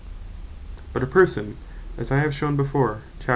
But a Person, (as I have shewn before, [chapt.